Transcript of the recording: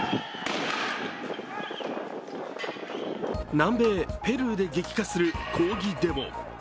南米・ペルーで激化する抗議デモ